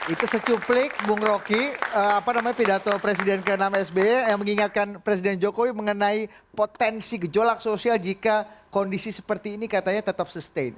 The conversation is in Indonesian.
itu secuplik bung roky pidato presiden ke enam sby yang mengingatkan presiden jokowi mengenai potensi gejolak sosial jika kondisi seperti ini katanya tetap sustain